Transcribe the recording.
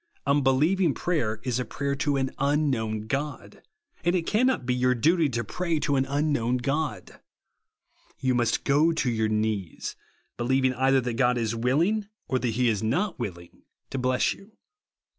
Un believing prayer is prayer to an unhnoivn God, and it cannot be your duty to pray to an unknown God. You must go to your knees, believing either that God is willing, or that he is not willing, to bless you.